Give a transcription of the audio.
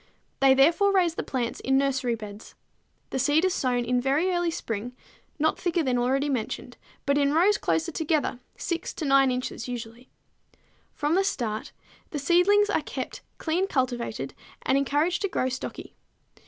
They therefore raise the plants in nursery beds. The seed is sown in very early spring, not thicker than already mentioned, but in rows closer together, 6 to 9 inches usually. From the start the seedlings are kept clean cultivated and encouraged to grow stocky.